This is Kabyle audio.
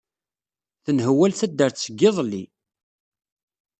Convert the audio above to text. Tenhewwal taddart seg yiḍelli